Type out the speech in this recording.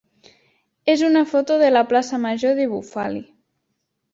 és una foto de la plaça major de Bufali.